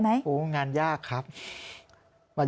มันเป็นแบบที่สุดท้าย